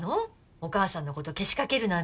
お母さんのことけしかけるなんて。